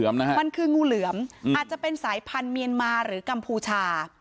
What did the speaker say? มันคืองูเหลือมอาจจะเป็นสายพันธุ์เมียนมาหรือกัมพูชา